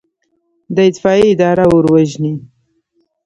د اطفائیې اداره اور وژني